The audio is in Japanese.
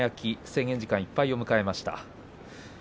制限時間がいっぱいになりました。